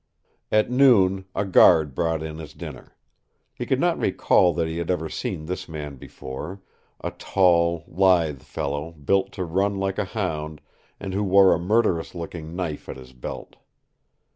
At noon a guard brought in his dinner. He could not recall that he had ever seen this man before, a tall, lithe fellow built to run like a hound, and who wore a murderous looking knife at his belt.